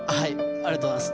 ありがとうございます。